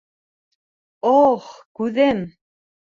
— Ох, күҙем!